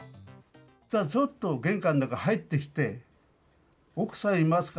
そっと玄関の中、入ってきて、奥さんいますか？